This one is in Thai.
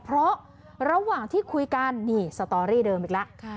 เพราะระหว่างที่คุยกันนี่สตอรี่เดิมอีกแล้ว